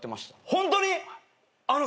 ホントに？